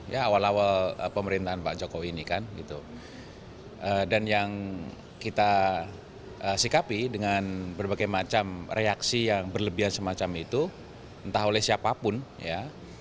ya awal awal pemerintahan pak jokowi ini kan gitu dan yang kita sikapi dengan berbagai macam reaksi yang berlebihan semacam itu entah oleh siapapun ya